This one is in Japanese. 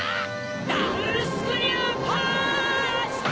ダブルスクリューパンチ！